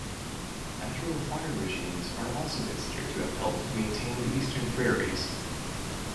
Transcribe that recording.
Natural fire regimes are also considered to have helped maintain the eastern prairies.